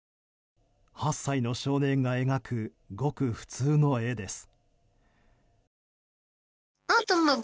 ８歳の少年が描くごく普通の絵です。